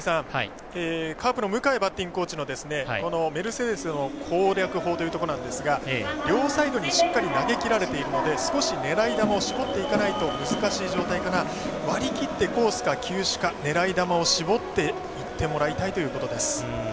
カープの迎バッティングコーチメルセデスの攻略法というところなんですが両サイドにしっかり投げきられているので少し狙い球を絞っていかないと難しい状態から割り切ってコースか球種狙ってほしいと話していました。